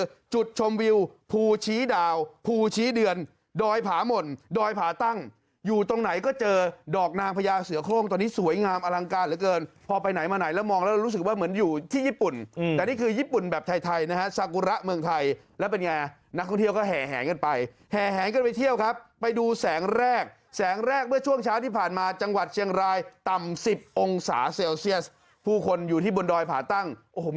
ก็คือจุดชมวิวภูชีดาวภูชีเดือนดอยผาหม่นดอยผาตั้งอยู่ตรงไหนก็เจอดอกนางพญาเสือโค้งตอนนี้สวยงามอลังการเหลือเกินพอไปไหนมาไหนแล้วมองแล้วรู้สึกว่าเหมือนอยู่ที่ญี่ปุ่นแต่นี่คือญี่ปุ่นแบบไทยไทยนะฮะสักุระเมืองไทยแล้วเป็นไงนักท่องเที่ยวก็แห่งกันไปแห่งกันไปเที่ยวครับไปดูแสงแรกแสง